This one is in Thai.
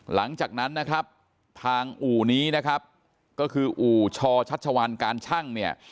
หลังจากนั้นนะครับทางอู่นี้นะครับก็คืออู่ชอชัชวัลการชั่งเนี่ย